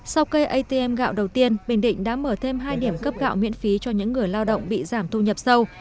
sau cây atm gạo đầu tiên bình định đã mở thêm hai điểm cấp gạo miễn phí cho những người lao động bị giảm thu nhập sâu